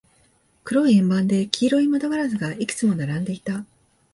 黒い円盤で、黄色い窓ガラスがいくつも並んでいた。